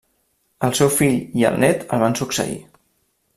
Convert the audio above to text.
El seu fill i el net el van succeir.